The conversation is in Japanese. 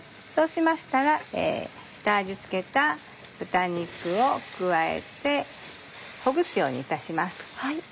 そうしましたら下味を付けた豚肉を加えてほぐすようにいたします。